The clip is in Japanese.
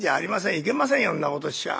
いけませんよんなことしちゃ」。